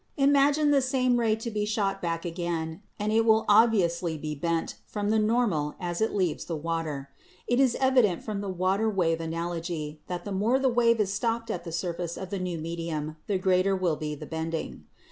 Imagine the same ray to be shot back again, and it will obviously be bent from the normal as it leaves the water. It is evident from the water wave an alogy that the more the wave is stopped at the surface of the new medium the greater will be the bending.